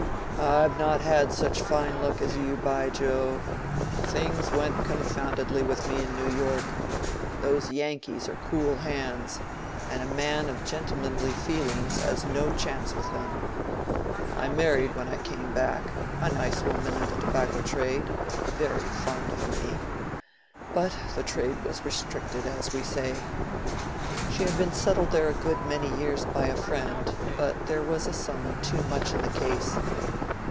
"I've not had such fine luck as you, by Jove! Things went confoundedly with me in New York; those Yankees are cool hands, and a man of gentlemanly feelings has no chance with them. I married when I came back—a nice woman in the tobacco trade—very fond of me—but the trade was restricted, as we say. She had been settled there a good many years by a friend; but there was a son too much in the case.